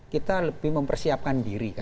kita lebih mempersiapkan diri